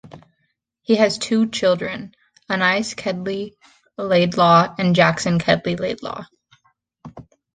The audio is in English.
He has two children - Anais Kedgley Laidlaw and Jackson Kedgley Laidlaw.